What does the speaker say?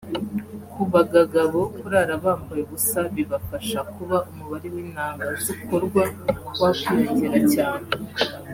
Ku bagagabo kurara bambaye ubusa bibafasha kuba umubare w’intanga zikorwa wakwiyongera cyane